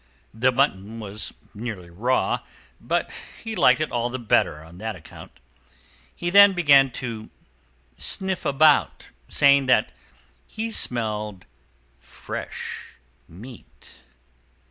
The mutton was nearly raw, but he liked it all the better on that account. He then began to sniff about, saying that he smelled fresh meat.